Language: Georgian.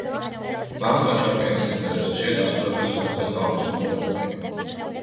მამუკა ჩარკვიანის სიმღერებს ხშირად ასრულებენ სხვადასხვა თაობის მომღერლები.